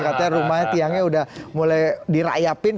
katanya rumahnya tiangnya udah mulai dirayapin